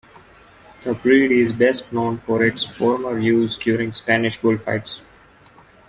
The breed is best known for its former use during Spanish bullfights.